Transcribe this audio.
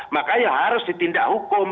makanya harus ditindak hukum